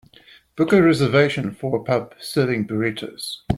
Book a reservation for a pub serving burritos